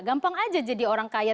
gampang aja jadi orang kaya